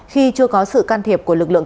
khi chưa có sự can thiệp của lực lượng